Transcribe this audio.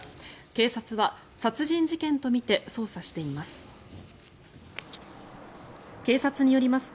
警察は殺人事件とみて捜査しています。